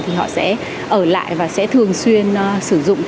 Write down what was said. thì họ sẽ ở lại và sẽ thường xuyên sử dụng